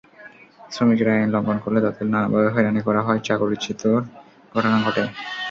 শ্রমিকেরা আইন লঙ্ঘন করলে তাঁদের নানাভাবে হয়রানি করা হয়, চাকরিচ্যুতির ঘটনা ঘটে।